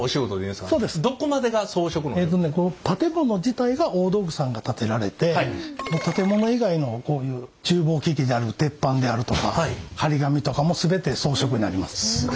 えっとねこの建物自体は大道具さんが建てられて建物以外のこういう厨房機器である鉄板であるとか貼り紙とかも全て装飾になります。